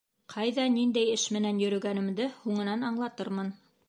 Ҡайҙа, ниндәй эш менән йөрөгәнемде һуңынан аңлатырмын.